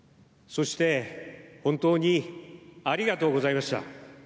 そして本当にありがとうございました。